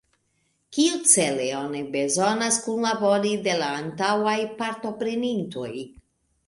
Kiucele oni bezonas kunlaboron de la antaŭaj partoprenintoj?